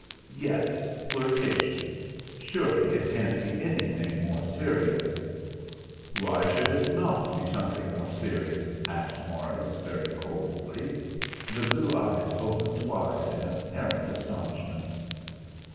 "Yes, flirtation. Surely it can't be anything more serious?" "Why should it not be something more serious?" asked Morris, very coldly. The blue eyes opened wide in apparent astonishment.